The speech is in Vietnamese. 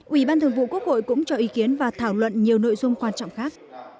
ủy ban thường vụ quốc hội cũng cho ý kiến và thảo luận nhiều nội dung quan trọng khác